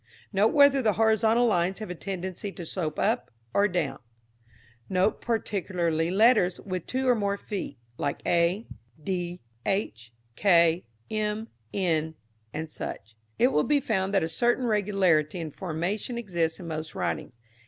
Note whether the horizontal lines have a tendency to slope up or down. Note particularly letters with two or more feet, like a, d, h, k, m, n, &c. It will be found that a certain regularity in formation exists in most writings.